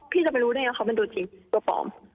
พี่จะไปรู้ได้ไงว่าเขาเป็นตัวจริงตัวปลอม